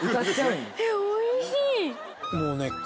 もうね。